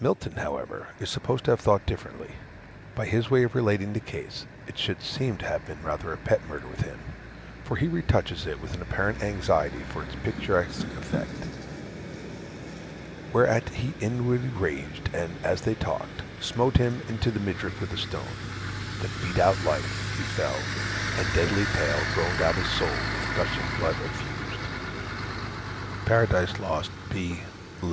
Milton, however, is supposed to have thought differently. By his way of relating the case, it should seem to have been rather a pet murder with him, for he retouches it with an apparent anxiety for its picturesque effect: Whereat he inly raged; and, as they talk'd, Smote him into the midriff with a stone That beat out life: he fell; and, deadly pale, Groan'd out his soul with gushing blood effus'd. Par. Lost, B. XI.